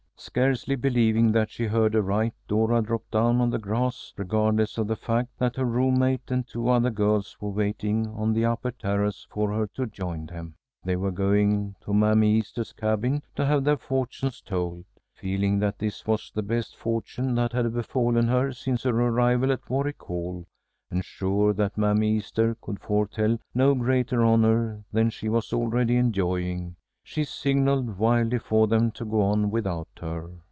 Scarcely believing that she heard aright, Dora dropped down on the grass, regardless of the fact that her roommate and two other girls were waiting on the upper terrace for her to join them. They were going to Mammy Easter's cabin to have their fortunes told. Feeling that this was the best fortune that had befallen her since her arrival at Warwick Hall, and sure that Mammy Easter could foretell no greater honor than she was already enjoying, she signalled wildly for them to go on without her.